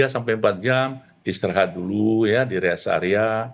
tiga sampai empat jam istirahat dulu ya di rest area